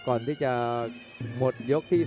ก่อนที่จะหมดยกที่๓